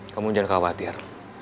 kamu jangan khawatir